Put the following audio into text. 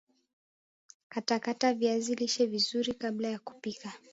Katakata viazi lishe vizuri kabla ya kupika